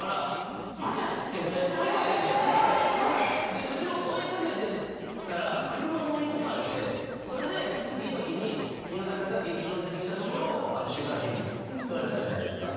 で後ろ追い掛けてったら車乗り込まれてそれで次の日にイワクラが劇場出てきたところを週刊誌に撮られたじゃないですか。